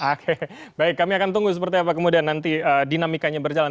oke baik kami akan tunggu seperti apa kemudian nanti dinamikanya berjalan